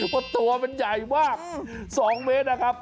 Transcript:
เพราะตัวมันใหญ่มาก๒เมตรนะครับ